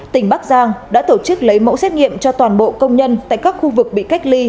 tỉnh bắc giang đã tổ chức lấy mẫu xét nghiệm cho toàn bộ công nhân tại các khu vực bị cách ly